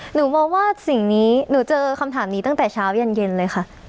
หนูมองว่าสิ่งนี้หนูเจอคำถามนี้ตั้งแต่เช้ายันเย็นเลยค่ะ